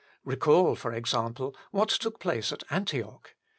Recall, for example, what took place at Antioch.